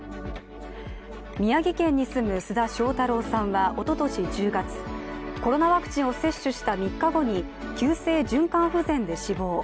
宮城県に住む須田正太郎さんはおととし１０月、コロナワクチンを接種した３日後に急性循環不全で死亡。